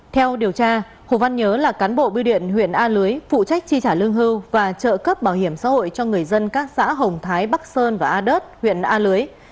theo điều tra hồ văn nhớ là cán bộ biêu điện huyện a lưới phụ trách chi trả lương hưu và trợ cấp bảo hiểm xã hội cho người dân các xã hồng thái bắc sơn và a đớt huyện a lưới